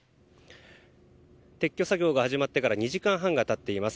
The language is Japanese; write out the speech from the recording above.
撤去作業が始まってから２時間半が経っています。